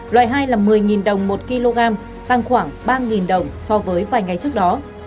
loại hai là một mươi đồng một kg tăng khoảng ba đồng so với vài ngày trước đó